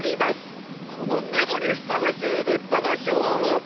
このメモにふさわしい立派な表を！